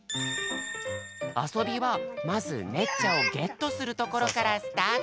あそびはまずねっちゃをゲットするところからスタート。